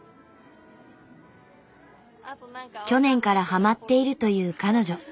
去年からハマっているという彼女。